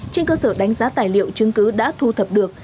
trên cơ sở đánh giá tài liệu chứng cứ đã thu thập được